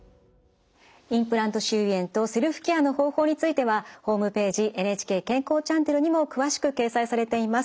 インプラント周囲炎とセルフケアの方法についてはホームページ「ＮＨＫ健康チャンネル」にも詳しく掲載されています。